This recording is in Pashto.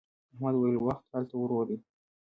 احمد وويل: وخت هلته ورو دی.